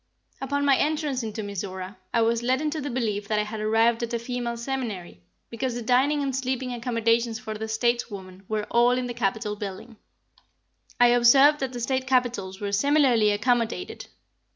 Upon my entrance into Mizora, I was led into the belief that I had arrived at a female seminary, because the dining and sleeping accommodations for the stateswoman were all in the Capitol building. I observed that the State Capitols were similarly accommodated.